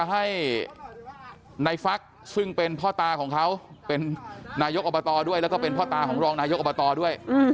ให้ในฟักซึ่งเป็นพ่อตาของเขาเป็นนายกอบตด้วยแล้วก็เป็นพ่อตาของรองนายกอบตด้วย